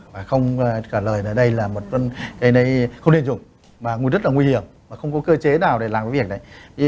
và không trả lời là đây là một cái này không nên dùng mà rất là nguy hiểm không có cơ chế nào để làm cái việc này